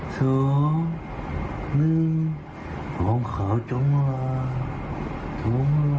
ตองขาวจงหลับ